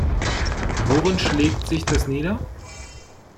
Worin schlägt sich das nieder?